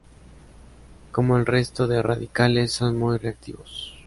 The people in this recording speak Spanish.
Como el resto de radicales, son muy reactivos.